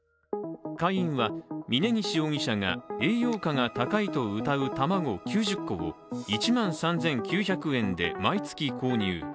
会員は、峯岸容疑者が、栄養価が高いとうたう卵９０個を１万３９００円で毎月購入。